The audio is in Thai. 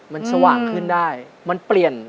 มันสว่างขึ้นได้